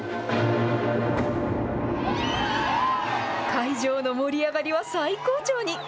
会場の盛り上がりは最高潮に。